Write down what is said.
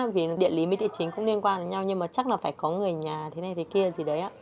vì địa lý với địa chính cũng liên quan đến nhau nhưng mà chắc là phải có người nhà thế này thế kia gì đấy ạ